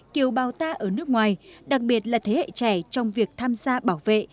kiều bào ta ở nước ngoài đặc biệt là thế hệ trẻ trong việc tham gia bảo vệ